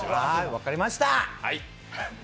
分かりました。